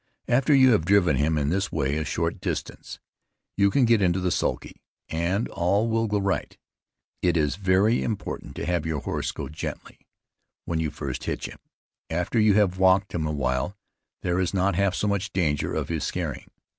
After you have driven him in this way a short distance, you can get into the sulky, and all will go right. It is very important to have your horse go gently, when you first hitch him. After you have walked him awhile, there is not half so much danger of his scaring.